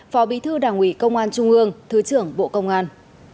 phó bí thư đảng ủy công an trung ương thứ trưởng bộ công an